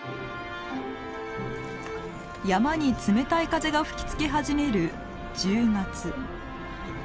山に冷たい風が吹きつけ始める１０月。